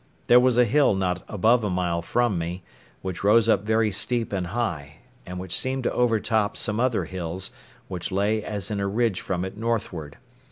There was a hill not above a mile from me, which rose up very steep and high, and which seemed to overtop some other hills, which lay as in a ridge from it northward.